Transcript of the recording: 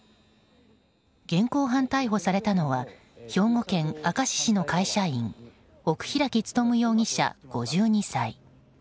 現行犯逮捕されたのは兵庫県明石市の会社員奥開努容疑者、５２歳。